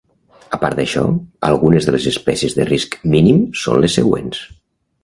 A part d'això, algunes de les espècies de risc mínim són les següents.